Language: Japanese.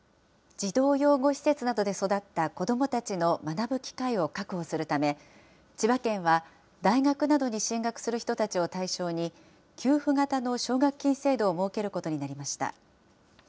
児童養護施設などで育った子どもたちの学ぶ機会を確保するため、千葉県は大学などに進学する人たちを対象に、給付型の奨学金制度を設けることになりました。